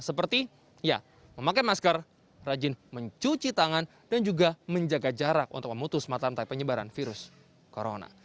seperti memakai masker rajin mencuci tangan dan juga menjaga jarak untuk memutus mata rantai penyebaran virus corona